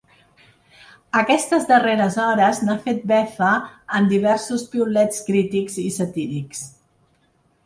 Aquestes darreres hores n’ha fet befa amb diversos piulets crítics i satírics.